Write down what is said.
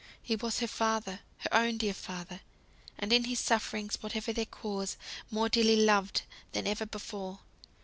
He was her father! her own dear father! and in his sufferings, whatever their cause, more dearly loved than ever before.